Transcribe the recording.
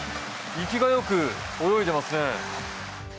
生きがよく泳いでいますね。